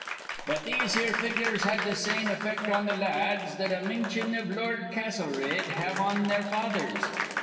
But these here figures had th' same effect on th' la ads that a mintion iv Lord Castlereagh'd have on their fathers.